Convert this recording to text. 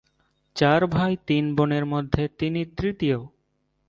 চার ভাই তিন বোনের মধ্যে তিনি তৃতীয়।